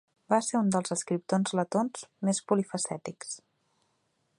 Va ser un dels escriptors letons més polifacètics.